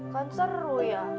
kan seru ya